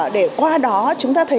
để qua đó chúng ta thấy